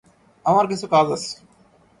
আমার কিছু কাজ আছে।